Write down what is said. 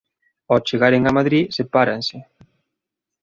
Ao chegaren a Madrid sepáranse.